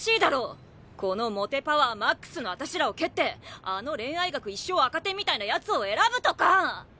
このモテパワーマックスのあたしらを蹴ってあの恋愛学一生赤点みたいなやつを選ぶとか！